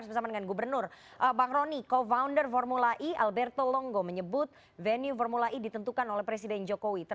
selamat sore bang roni